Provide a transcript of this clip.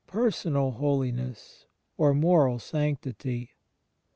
Personal Holiness or Moral Sanctity.